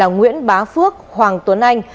nguyễn bá phước hoàng tuấn anh